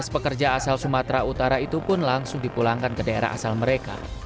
lima belas pekerja asal sumatera utara itu pun langsung dipulangkan ke daerah asal mereka